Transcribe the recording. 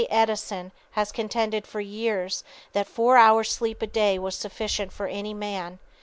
Edison has contended for years that four hours' sleep a day was sufficient for any man.